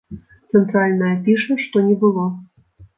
Цэнтральная піша, што не было.